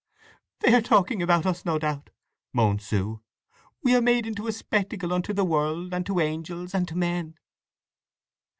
"They are talking about us, no doubt!" moaned Sue. "'We are made a spectacle unto the world, and to angels, and to men!